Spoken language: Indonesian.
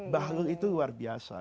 bahlul itu luar biasa